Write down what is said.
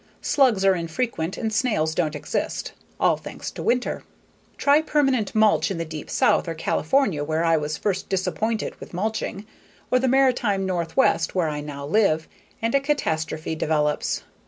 Slugs are infrequent and snails don't exist. All thanks to winter. Try permanent mulch in the deep South, or California where I was first disappointed with mulching, or the Maritime northwest where I now live, and a catastrophe develops.